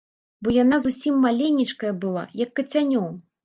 Бо яна зусім маленечкая была, як кацянё!